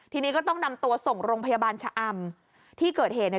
ทีนี้ก็ต้องนำตัวส่งโรงพยาบาลชะอำที่เกิดเหตุเนี่ย